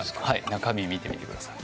中身見てみてください。